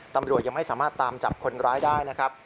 ตำรวจยังไม่สามารถตามจับคนร้ายได้นะครับ